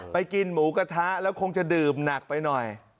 กินหมูกระทะแล้วคงจะดื่มหนักไปหน่อย